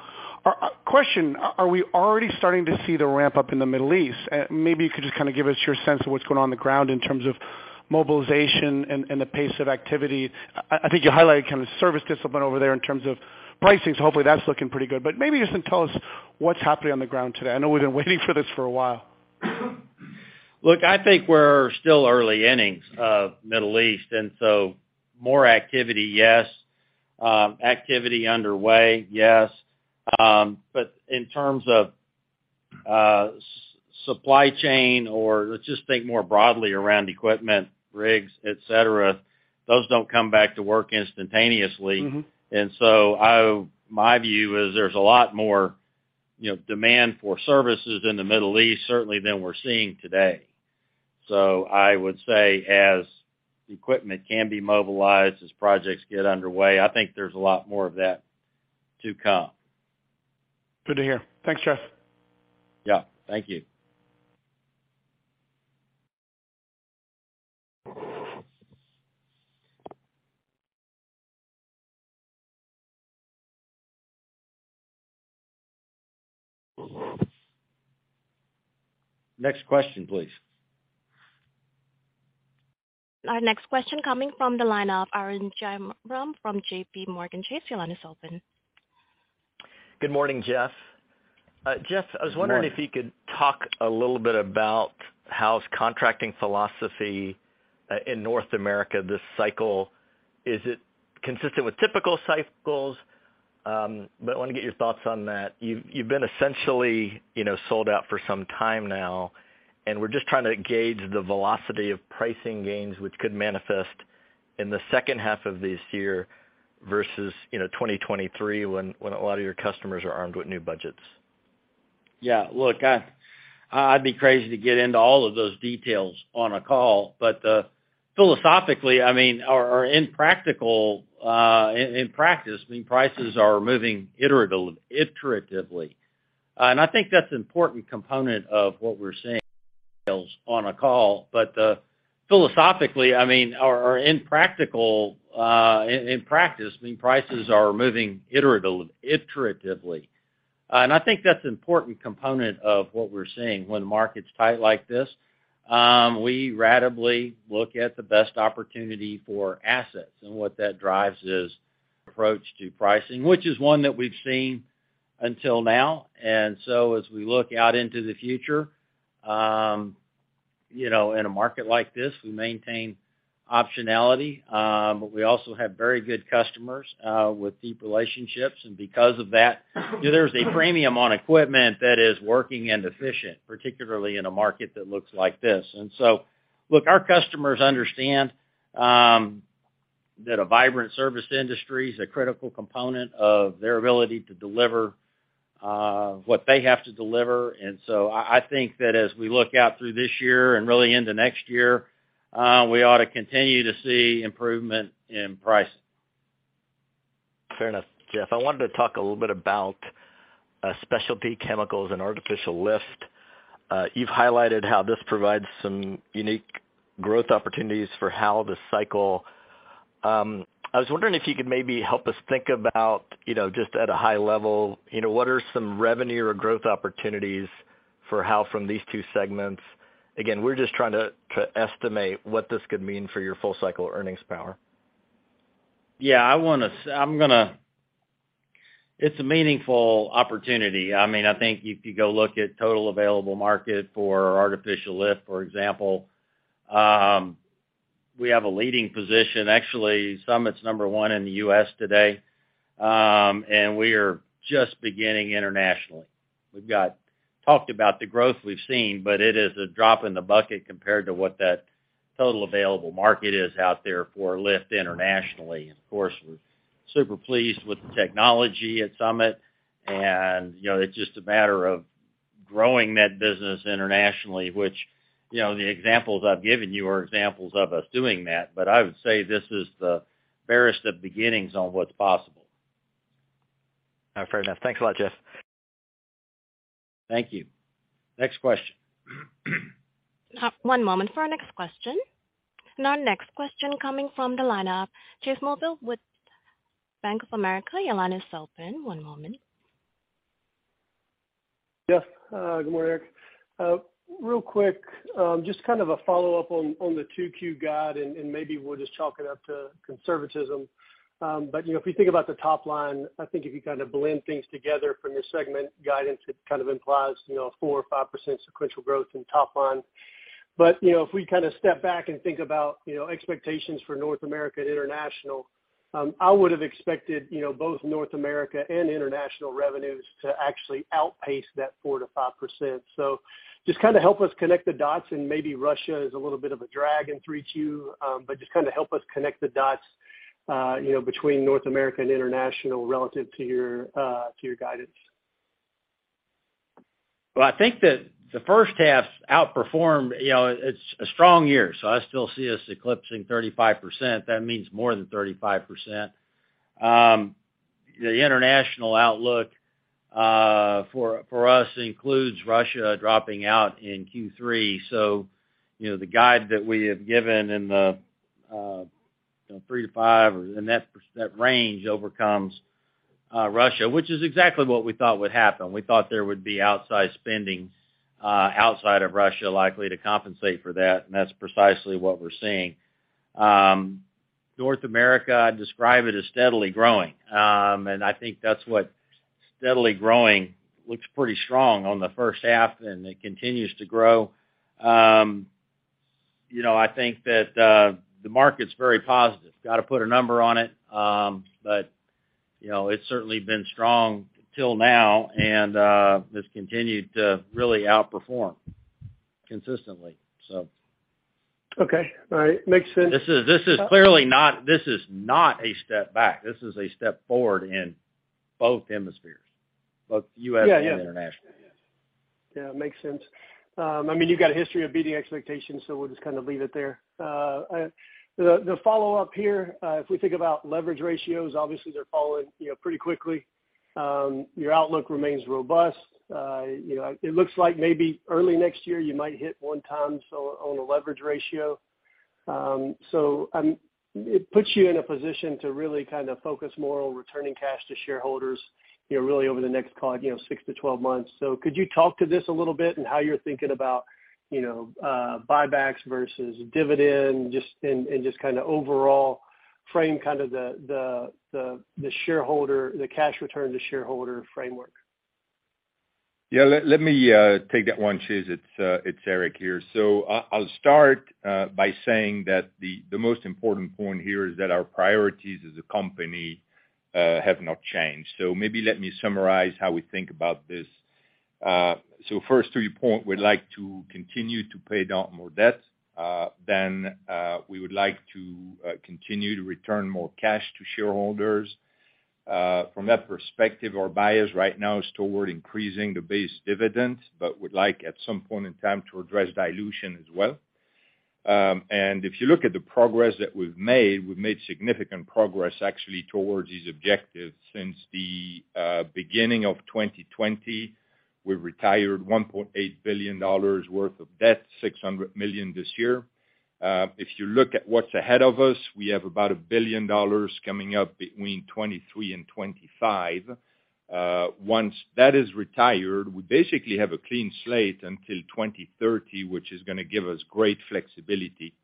S6: Question, are we already starting to see the ramp-up in the Middle East? Maybe you could just kinda give us your sense of what's going on on the ground in terms of mobilization and the pace of activity. I think you highlighted kind of service discipline over there in terms of pricing, so hopefully that's looking pretty good. Maybe you can tell us what's happening on the ground today. I know we've been waiting for this for a while.
S3: Look, I think we're still early innings of Middle East, and so more activity, yes. Activity underway, yes. In terms of supply chain or let's just think more broadly around equipment, rigs, et cetera, those don't come back to work instantaneously.
S6: Mm-hmm.
S3: My view is there's a lot more, you know, demand for services in the Middle East, certainly than we're seeing today. I would say as equipment can be mobilized, as projects get underway, I think there's a lot more of that to come.
S6: Good to hear. Thanks, Jeff.
S3: Yeah. Thank you. Next question, please.
S1: Our next question coming from the line of Arun Jayaram from JPMorgan Chase. Your line is open.
S7: Good morning, Jeff. I was wondering.
S3: Good morning.
S7: If you could talk a little bit about how's contracting philosophy in North America this cycle. Is it consistent with typical cycles? I wanna get your thoughts on that. You've been essentially, you know, sold out for some time now, and we're just trying to gauge the velocity of pricing gains which could manifest in the second half of this year versus, you know, 2023 when a lot of your customers are armed with new budgets.
S3: Yeah. Look, I'd be crazy to get into all of those details on a call. Philosophically, I mean, or in practice, I mean, prices are moving iteratively. I think that's an important component of what we're seeing when market's tight like this. We ratably look at the best opportunity for assets, and what that drives is approach to pricing, which is one that we've seen until now. As we look out into the future, you know, in a market like this, we maintain optionality. But we also have very good customers with deep relationships. Because of that, there's a premium on equipment that is working and efficient, particularly in a market that looks like this. Look, our customers understand that a vibrant service industry is a critical component of their ability to deliver what they have to deliver. I think that as we look out through this year and really into next year, we ought to continue to see improvement in pricing.
S7: Fair enough. Jeff, I wanted to talk a little bit about specialty chemicals and artificial lift. You've highlighted how this provides some unique growth opportunities for Halliburton through the cycle. I was wondering if you could maybe help us think about, you know, just at a high level, you know, what are some revenue or growth opportunities for Halliburton from these two segments. Again, we're just trying to estimate what this could mean for your full cycle earnings power.
S3: It's a meaningful opportunity. I mean, I think if you go look at total available market for artificial lift, for example, we have a leading position, actually Summit's number one in the U.S. today. We are just beginning internationally. We've talked about the growth we've seen, but it is a drop in the bucket compared to what that total available market is out there for lift internationally. Of course, we're super pleased with the technology at Summit. You know, it's just a matter of growing that business internationally, which, you know, the examples I've given you are examples of us doing that. I would say this is the barest of beginnings on what's possible.
S7: Fair enough. Thanks a lot, Jeff.
S3: Thank you. Next question.
S1: One moment for our next question. Our next question coming from the line of Chase Mulvehill with Bank of America. Your line is open. One moment.
S8: Jeff, good morning. Real quick, just kind of a follow-up on the 2Q guide, and maybe we'll just chalk it up to conservatism. You know, if you think about the top line, I think if you kind of blend things together from your segment guidance, it kind of implies, you know, 4% or 5% sequential growth in top line. You know, if we kind of step back and think about, you know, expectations for North America and International, I would have expected, you know, both North America and International revenues to actually outpace that 4%-5%. Just kind of help us connect the dots, and maybe Russia is a little bit of a drag in 3Q too, but just kind of help us connect the dots, you know, between North America and International relative to your guidance.
S3: Well, I think that the first half outperformed. You know, it's a strong year, so I still see us eclipsing 35%. That means more than 35%. The international outlook for us includes Russia dropping out in Q3. You know, the guide that we have given in the 3%-5% range overcomes Russia, which is exactly what we thought would happen. We thought there would be outside spending outside of Russia likely to compensate for that, and that's precisely what we're seeing. North America, I describe it as steadily growing. I think that's what steadily growing looks pretty strong on the first half, and it continues to grow. You know, I think that the market's very positive. Got to put a number on it, but you know, it's certainly been strong till now and has continued to really outperform consistently.
S8: Okay. All right. Makes sense.
S3: This is not a step back. This is a step forward in both hemispheres, both U.S. and-
S8: Yeah, yeah.
S3: International.
S8: Yeah, it makes sense. I mean, you've got a history of beating expectations, so we'll just kind of leave it there. The follow-up here, if we think about leverage ratios, obviously they're falling, you know, pretty quickly. Your outlook remains robust. You know, it looks like maybe early next year, you might hit one time on a leverage ratio. It puts you in a position to really kind of focus more on returning cash to shareholders, you know, really over the next, call it, six to 12 months. Could you talk to this a little bit and how you're thinking about, you know, buybacks versus dividend just, and just kind of overall frame kind of the shareholder, the cash return to shareholder framework?
S4: Yeah. Let me take that one, Chase. It's Eric here. I'll start by saying that the most important point here is that our priorities as a company have not changed. Maybe let me summarize how we think about this. First, to your point, we'd like to continue to pay down more debt, then we would like to continue to return more cash to shareholders. From that perspective, our bias right now is toward increasing the base dividend, but we'd like, at some point in time, to address dilution as well. If you look at the progress that we've made, we've made significant progress actually towards these objectives. Since the beginning of 2020, we've retired $1.8 billion worth of debt, $600 million this year. If you look at what's ahead of us, we have about $1 billion coming up between 2023 and 2025. Once that is retired, we basically have a clean slate until 2030, which is gonna give us great flexibility.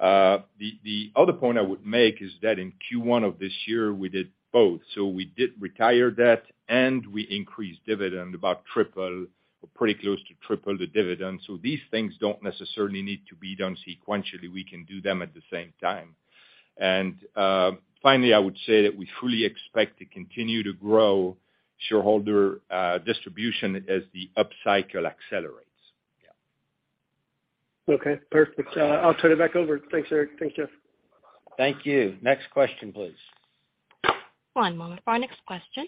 S4: The other point I would make is that in Q1 of this year, we did both. We did retire debt and we increased dividend about triple or pretty close to triple the dividend. These things don't necessarily need to be done sequentially. We can do them at the same time. Finally, I would say that we fully expect to continue to grow shareholder distribution as the upcycle accelerates. Yeah.
S8: Okay, perfect. I'll turn it back over. Thanks, Eric. Thanks, Jeff.
S3: Thank you. Next question, please.
S1: One moment for our next question.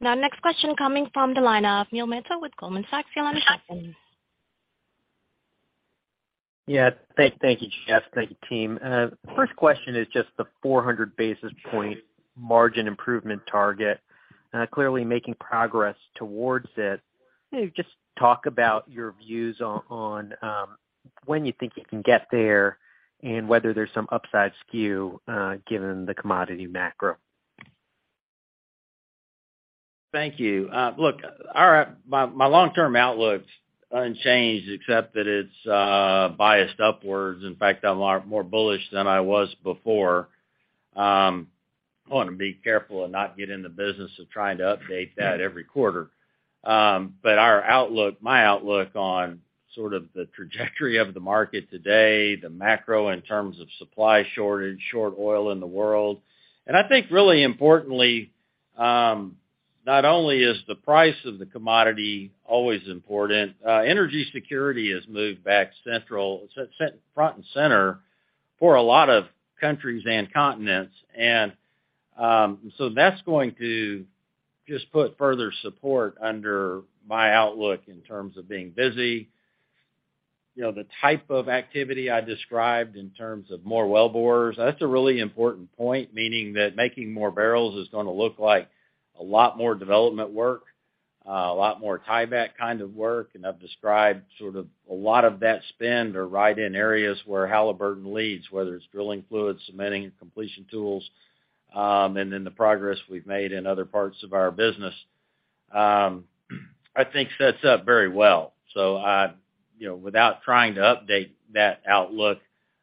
S1: Now, next question coming from the line of Neil Mehta with Goldman Sachs. Your line is open.
S9: Thank you, Jeff. Thank you, team. First question is just the 400 basis point margin improvement target, clearly making progress towards it. Can you just talk about your views on when you think you can get there and whether there's some upside skew, given the commodity macro?
S3: Thank you. Look, my long-term outlook's unchanged except that it's biased upwards. In fact, I'm a lot more bullish than I was before. I wanna be careful and not get in the business of trying to update that every quarter. Our outlook, my outlook on sort of the trajectory of the market today, the macro in terms of supply shortage, short oil in the world. I think really importantly, not only is the price of the commodity always important, energy security has moved back central, front and center for a lot of countries and continents. That's going to just put further support under my outlook in terms of being busy. You know, the type of activity I described in terms of more wellbores, that's a really important point, meaning that making more barrels is gonna look like a lot more development work, a lot more tieback kind of work. I've described sort of a lot of that spend right in areas where Halliburton leads, whether it's drilling fluids, cementing, completion tools, and then the progress we've made in other parts of our business, I think sets up very well. You know, without trying to update that outlook,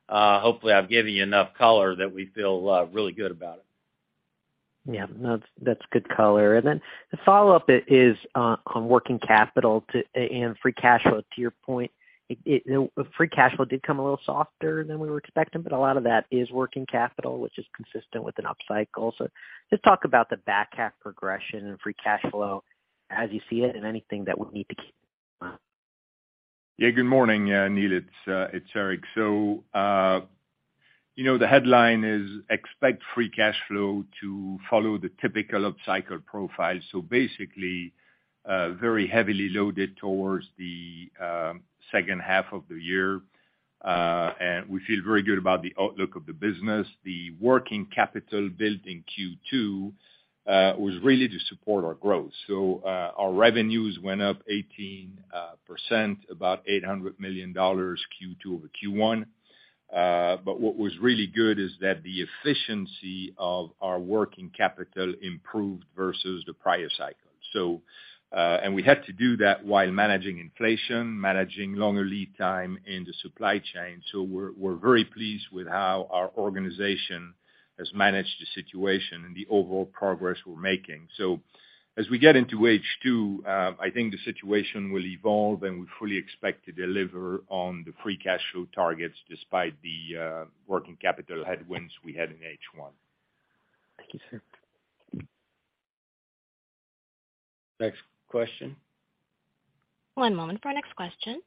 S3: hopefully, I've given you enough color that we feel really good about it.
S9: Yeah. No, that's good color. Then the follow-up is on working capital and free cash flow, to your point. Now, free cash flow did come a little softer than we were expecting, but a lot of that is working capital, which is consistent with an upcycle. Just talk about the back half progression and free cash flow as you see it and anything that would need to keep an eye on.
S4: Yeah, good morning, Neil. It's Eric. You know, the headline is expect free cash flow to follow the typical upcycle profile. Basically, very heavily loaded towards the second half of the year. We feel very good about the outlook of the business. The working capital built in Q2 was really to support our growth. Our revenues went up 18%, about $800 million Q2 over Q1. But what was really good is that the efficiency of our working capital improved versus the prior cycle. We had to do that while managing inflation, managing longer lead time in the supply chain. We're very pleased with how our organization has managed the situation and the overall progress we're making. As we get into H2, I think the situation will evolve, and we fully expect to deliver on the free cash flow targets despite the working capital headwinds we had in H1.
S9: Thank you, sir.
S3: Next question.
S1: One moment for our next question.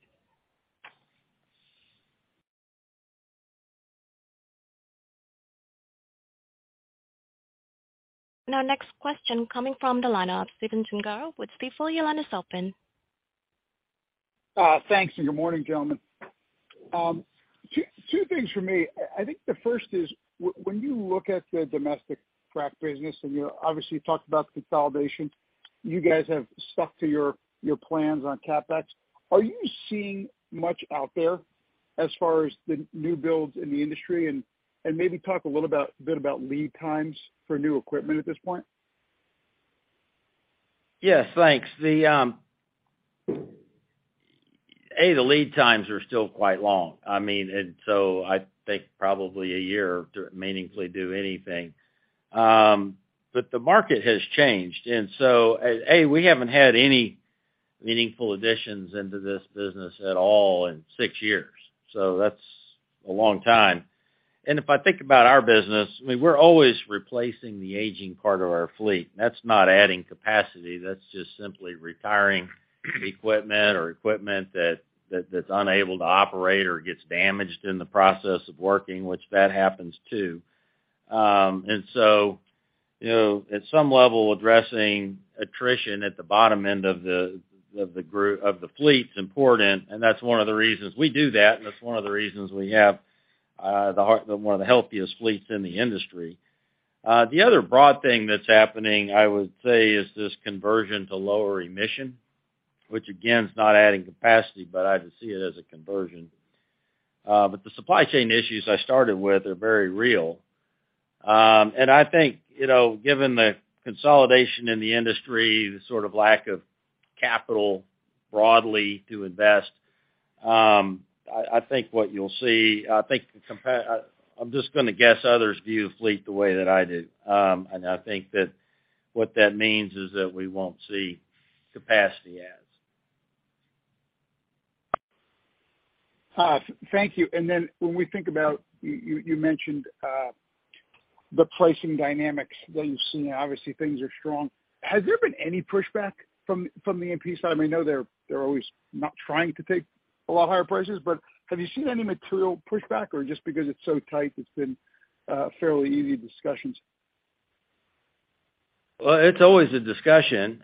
S1: Now, next question coming from the line of Stephen Gengaro with Stifel. Your line is open
S10: Thanks and good morning, gentlemen. Two things for me. I think the first is when you look at the domestic frac business, and you obviously talked about consolidation, you guys have stuck to your plans on CapEx. Are you seeing much out there as far as the new builds in the industry? And maybe talk a little about, a bit about lead times for new equipment at this point.
S3: Yes, thanks. The lead times are still quite long. I mean, I think probably a year to meaningfully do anything. The market has changed. We haven't had any meaningful additions into this business at all in six years. That's a long time. If I think about our business, I mean, we're always replacing the aging part of our fleet. That's not adding capacity. That's just simply retiring equipment or equipment that that's unable to operate or gets damaged in the process of working, which happens, too. You know, at some level, addressing attrition at the bottom end of the fleet is important, and that's one of the reasons we do that, and that's one of the reasons we have one of the healthiest fleets in the industry. The other broad thing that's happening, I would say, is this conversion to lower emission, which again, is not adding capacity, but I just see it as a conversion. The supply chain issues I started with are very real. I think, you know, given the consolidation in the industry, the sort of lack of capital broadly to invest, I think what you'll see, I think I'm just gonna guess others view fleet the way that I do. I think that what that means is that we won't see capacity as.
S10: When we think about what you mentioned, the pricing dynamics that you've seen, obviously things are strong. Has there been any pushback from the E&P side? I know they're always not trying to take a lot higher prices, but have you seen any material pushback, or just because it's so tight, it's been fairly easy discussions?
S3: Well, it's always a discussion,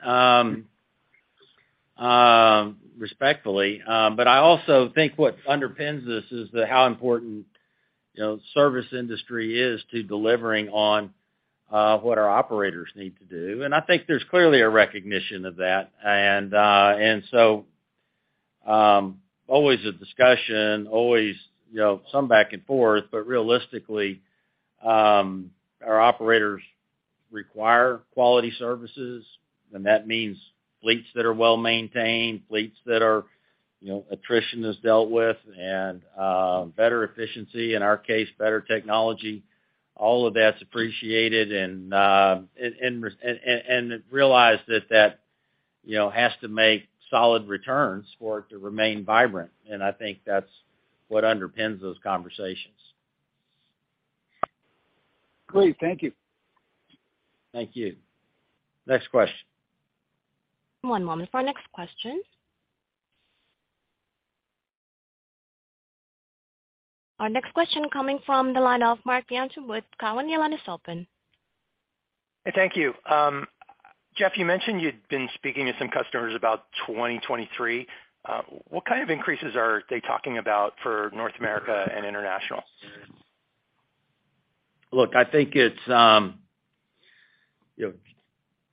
S3: respectfully. I also think what underpins this is that how important, you know, service industry is to delivering on what our operators need to do. I think there's clearly a recognition of that. Always a discussion, always, you know, some back and forth. But realistically, our operators require quality services, and that means fleets that are well-maintained, fleets that are, you know, attrition is dealt with and better efficiency, in our case, better technology. All of that's appreciated. Realize that that, you know, has to make solid returns for it to remain vibrant. I think that's what underpins those conversations.
S10: Great. Thank you.
S3: Thank you. Next question.
S1: One moment for our next question. Our next question coming from the line of Marc Bianchi with Cowen. Your line is open.
S11: Hey, thank you. Jeff, you mentioned you'd been speaking to some customers about 2023. What kind of increases are they talking about for North America and International?
S3: Look, I think it's, you know,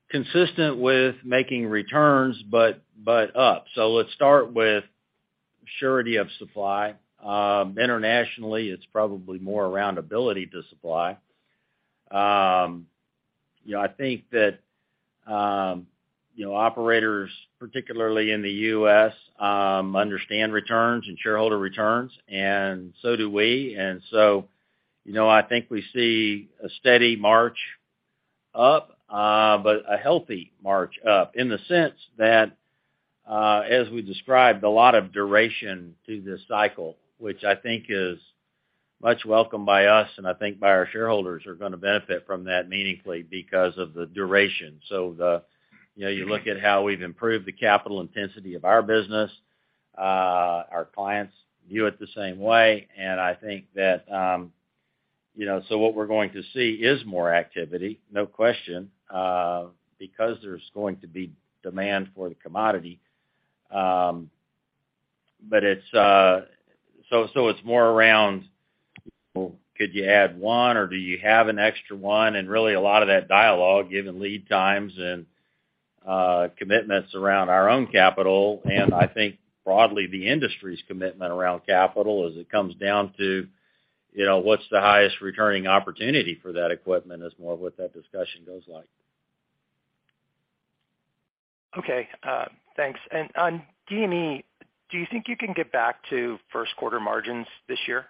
S3: consistent with making returns but up. Let's start with certainty of supply. Internationally, it's probably more around ability to supply. You know, I think that, you know, operators, particularly in the U.S., understand returns and shareholder returns, and so do we. You know, I think we see a steady march up, but a healthy march up in the sense that, as we described, a lot of duration to this cycle, which I think is much welcome by us and I think by our shareholders are gonna benefit from that meaningfully because of the duration. You know, you look at how we've improved the capital intensity of our business. Our clients view it the same way. I think that, you know, so what we're going to see is more activity, no question, because there's going to be demand for the commodity. It's so it's more around, could you add one or do you have an extra one? Really a lot of that dialogue, given lead times and commitments around our own capital, and I think broadly, the industry's commitment around capital as it comes down to, you know, what's the highest returning opportunity for that equipment, is more of what that discussion goes like.
S11: Okay, thanks. On D&E, do you think you can get back to first quarter margins this year?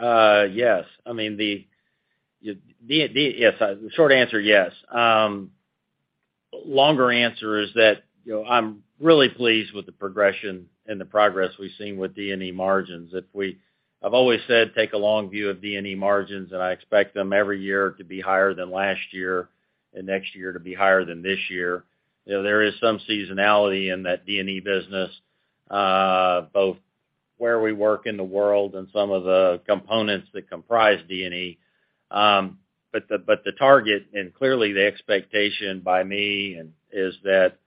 S3: Yes. I mean, yes. Short answer, yes. Longer answer is that, you know, I'm really pleased with the progression and the progress we've seen with D&E margins. I've always said, take a long view of D&E margins, and I expect them every year to be higher than last year and next year to be higher than this year. You know, there is some seasonality in that D&E business, both where we work in the world and some of the components that comprise D&E. But the target and clearly the expectation by me and is that,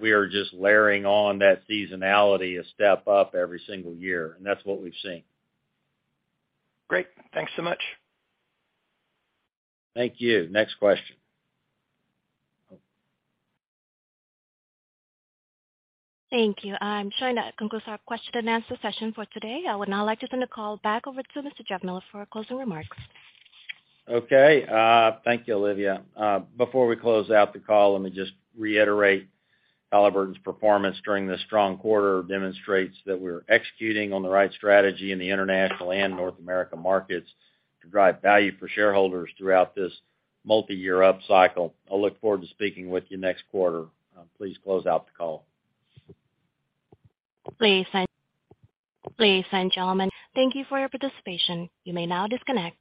S3: we are just layering on that seasonality a step up every single year, and that's what we've seen.
S11: Great. Thanks so much.
S3: Thank you. Next question.
S1: Thank you. I'm showing that concludes our question and answer session for today. I would now like to turn the call back over to Mr. Jeff Miller for our closing remarks.
S3: Okay. Thank you, Olivia. Before we close out the call, let me just reiterate Halliburton's performance during this strong quarter demonstrates that we're executing on the right strategy in the International and North America markets to drive value for shareholders throughout this multiyear upcycle. I look forward to speaking with you next quarter. Please close out the call.
S1: Ladies and gentlemen, thank you for your participation. You may now disconnect.